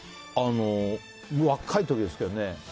若い時ですけどね。